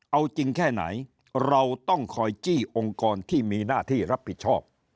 เอาจริงแค่ไหนเราต้องคอยจี้องค์กรที่มีหน้าที่รับผิดชอบ